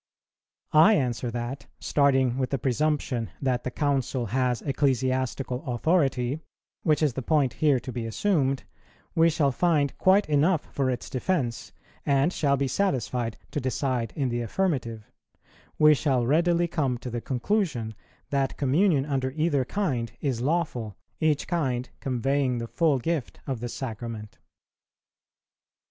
I answer that, starting with the presumption that the Council has ecclesiastical authority, which is the point here to be assumed, we shall find quite enough for its defence, and shall be satisfied to decide in the affirmative; we shall readily come to the conclusion that Communion under either kind is lawful, each kind conveying the full gift of the Sacrament.